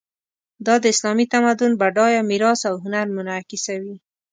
دا د اسلامي تمدن بډایه میراث او هنر منعکسوي.